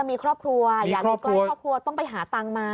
มีครอบครัวอยากอยู่ใกล้ครอบครัวต้องไปหาตังค์มา